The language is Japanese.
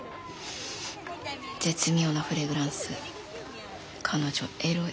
絶妙なフレグランス彼女エロい。